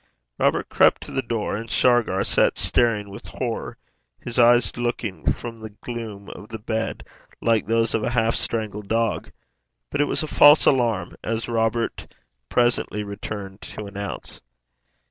Robert crept to the door, and Shargar sat staring with horror, his eyes looking from the gloom of the bed like those of a half strangled dog. But it was a false alarm, as Robert presently returned to announce.